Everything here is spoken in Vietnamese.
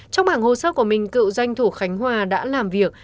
trong bảng hồ sơ của mình cựu danh thủ khánh hòa đã làm việc